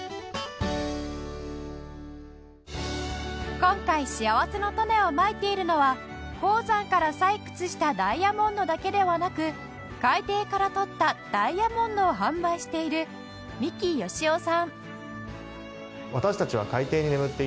今回しあわせのたねをまいているのは鉱山から採掘したダイヤモンドだけではなく海底から採ったダイヤモンドを販売している三木芳夫さん